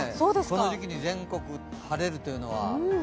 この時期に全国晴れるというのは。